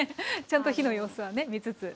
ちゃんと火の様子はね見つつ。